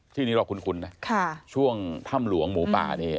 ที่นี้รอคุ้นช่วงถ้ำหลวงหมูปลานี้